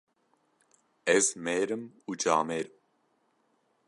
Ez mêr im û camêr im.